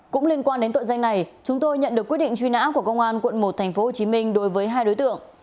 cũng liên quan đến tội danh này chúng tôi nhận được quyết định truy nã của công an quận một tp hcm đối với hai đối tượng